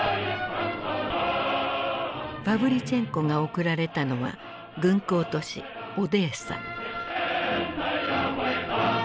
パヴリチェンコが送られたのは軍港都市オデーサ。